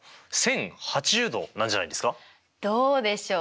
どうでしょう？